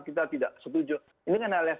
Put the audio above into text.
kita tidak setuju ini karena alias